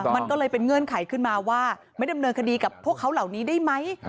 มันก็เลยเป็นเงื่อนไขขึ้นมาว่าไม่ดำเนินคดีกับพวกเขาเหล่านี้ได้ไหม